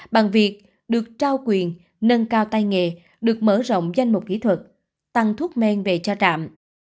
bằng việc được trao quyền nâng cao tay nghề được mở rộng danh mục kỹ thuật tăng thuốc men về cho trạm